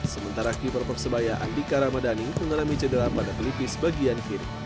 sementara keeper persebaya andika ramadhani mengalami cedera pada pelipis bagian kiri